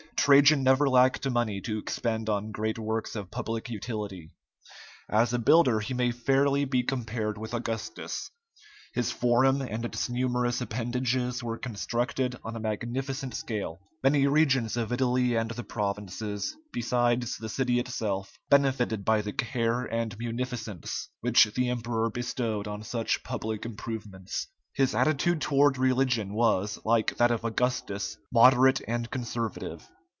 Trajan never lacked money to expend on great works of public utility; as a builder, he may fairly be compared with Augustus. His forum and its numerous appendages were constructed on a magnificent scale. Many regions of Italy and the provinces, besides the city itself, benefited by the care and munificence which the emperor bestowed on such public improvements. His attitude toward religion was, like that of Augustus, moderate and conservative.